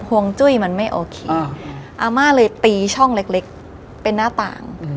ห่วงจุ้ยมันไม่โอเคอาม่าเลยตีช่องเล็กเป็นหน้าต่าง